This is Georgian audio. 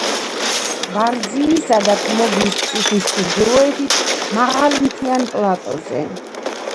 ვარძიისა და თმოგვის ციხის ჩრდილოეთით, მაღალ მთიან პლატოზე.